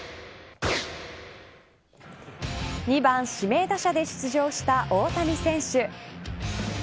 ２番指名打者で出場した大谷選手。